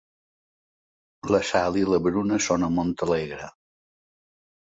La Sal i la Bruna són a Montalegre.